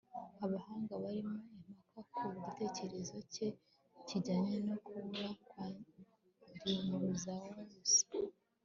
abahanga barimo impaka ku gitekerezo cye kijyanye no kubura kwa dinozawusi